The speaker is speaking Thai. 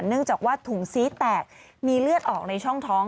เนื่องจากว่าถุงซี้แตกมีเลือดออกในช่องท้อง